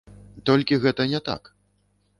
Толькі гэта не так.